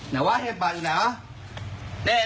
ไหนวะเห็ดหมัดอยู่ไหนเหรอ